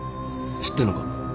知ってんのか？